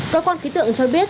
có con ký tượng cho biết